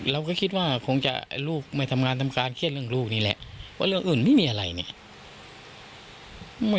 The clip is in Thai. เราคิดว่าคงจะลูกไม่ทำงานทำการเชื่อไปเรื่องลูกนี้แหละว่าเลยอื่นไม่มีอะไรพี่สาวมีอะไร